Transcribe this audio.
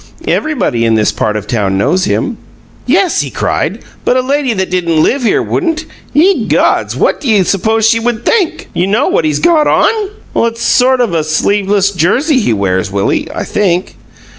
Everybody in this part of town knows him." "Yes," he cried, "but a lady that didn't live here wouldn't. Ye gods! What do you suppose she WOULD think? You know what he's got on!" "It's a sort of sleeveless jersey he wears, Willie, I think."